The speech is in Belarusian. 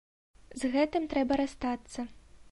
З гэтым трэба расстацца.